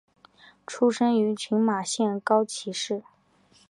出身于群马县高崎市。